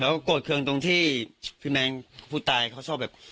แล้วก็โกรธเครื่องตรงที่คือแมงผู้ตายเขาชอบแบบ